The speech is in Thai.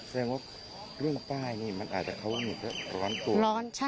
แสดงว่าเรื่องป้ายนี่มันอาจจะเขาว่ามีเพราะร้อนตัว